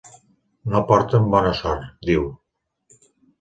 No porten bona sort, diu.